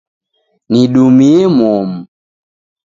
Nidumie momu.